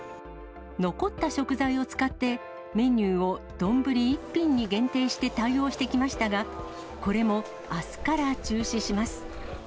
残った食材を使ってメニューを丼１品に限定して対応してきましたが、これもあすから中止します。